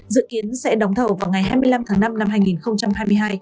dự kiến sẽ đóng thầu vào ngày hai mươi năm tháng năm năm hai nghìn hai mươi hai